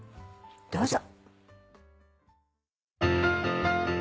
どうぞ。